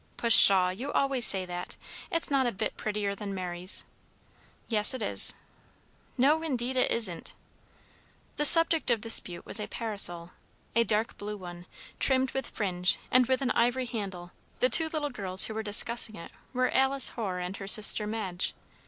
"Pshaw! you always say that. It's not a bit prettier than Mary's." "Yes, it is." "No, indeed, it isn't." The subject of dispute was a parasol, a dark blue one, trimmed with fringe, and with an ivory handle. The two little girls who were discussing it were Alice Hoare and her sister Madge.